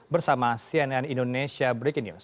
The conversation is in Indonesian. bersama cnn indonesia breaking news